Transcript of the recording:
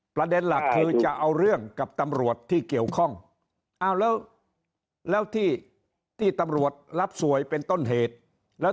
มันจะไม่ได้อะไรจากเหตุเกิดครั้งนี้เลยหรือ